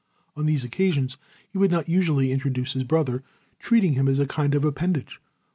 On these occasions he would not usually introduce his brother, treating him as a kind of appendage.